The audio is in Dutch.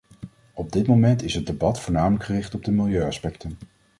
Op dit moment is het debat voornamelijk gericht op de milieuaspecten.